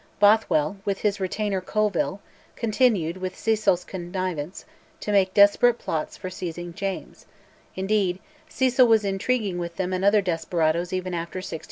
Bothwell, with his retainer, Colville, continued, with Cecil's connivance, to make desperate plots for seizing James; indeed, Cecil was intriguing with them and other desperadoes even after 1600.